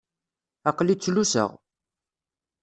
Aql-i ttluseɣ.